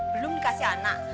belom dikasih anak